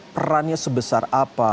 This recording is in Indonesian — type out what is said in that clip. perannya sebesar apa